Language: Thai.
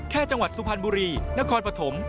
จังหวัดสุพรรณบุรีนครปฐม